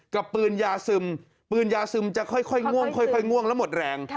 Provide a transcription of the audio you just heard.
กับปืนยาซึมปืนยาซึมจะค่อยง่วงค่อยง่วงแล้วหมดแรง